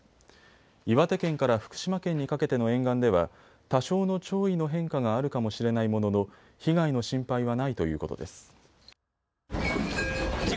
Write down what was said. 岩手県から福島県にかけての沿岸では多少の潮位の変化があるかもしれないものの被害の心配はないということです。